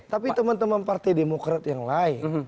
tapi teman teman partai demokrat yang lain